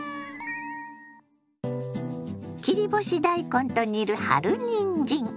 切り干し大根と煮る春にんじん。